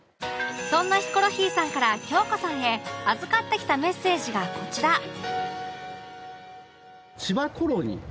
そんなヒコロヒーさんから京子さんへ預かってきたメッセージがこちら